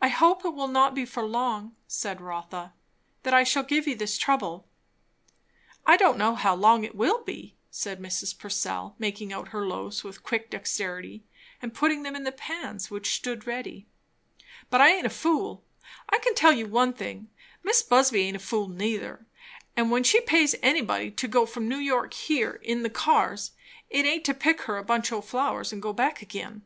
"I hope it will not be for long," said Rotha, "that I shall give you this trouble." "I don't know how long it will be," said Mrs. Purcell, making out her loaves with quick dexterity and putting them in the pans which stood ready; "but I aint a fool. I can tell you one thing. Mis' Busby aint a fool neither; and when she pays anybody to go from New York here in the cars, it aint to pick her a bunch o' flowers and go back again."